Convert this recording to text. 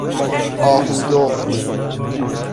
آهودخت